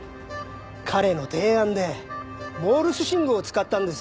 彼の提案でモールス信号を使ったんです。